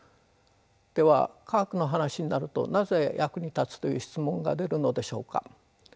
では科学の話になるとなぜ役に立つという質問が出るのでしょうか？